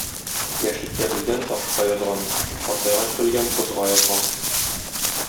Яшьлектә белгән — ташка язган, картайгач белгән — бозга язган.